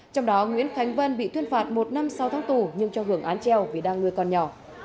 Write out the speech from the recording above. trong đó nguyễn khánh vân bị tuyên phạt một năm sau tháng tù nhưng cho hưởng án treo vì đang nuôi con nhỏ